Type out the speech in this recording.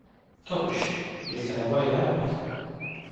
Totuși, este nevoie de mai mult.